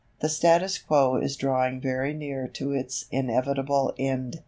The status quo is drawing very near to its inevitable end.